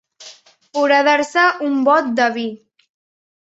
Foradar-se un bot de vi.